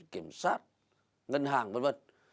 kiểm soát ngân hàng v v